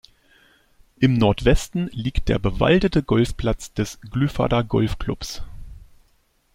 Im Nordwesten liegt der bewaldete Golfplatz des Glyfada-Golf-Clubs.